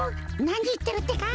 なにいってるってか？